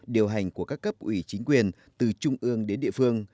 điều hành của các cấp ủy chính quyền từ trung ương đến địa phương